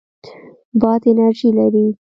باد انرژي لري.